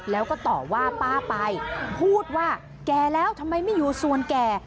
แล้วก็ต่อว่าป้าไปพูดว่าแก่แล้วทำไมไม่อยู่ส่วนแก่